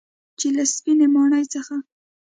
چې له سپینې ماڼۍ څخه